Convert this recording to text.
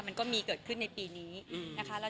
เพราะว่างานแต่งงานจริง